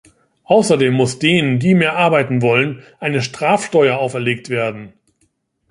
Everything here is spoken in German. Außerdem muss denen, die mehr arbeiten wollen, eine Strafsteuer auferlegt werden.